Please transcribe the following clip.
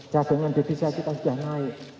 cadangan devisa kita sudah naik